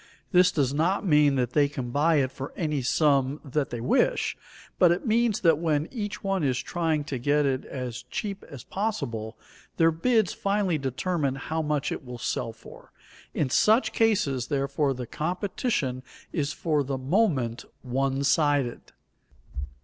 This does not mean that they can buy it for any sum that they wish, but it means that when each one is trying to get it as cheap as possible, their bids finally determine how much it will sell for. In such cases, therefore, the competition is for the moment one sided.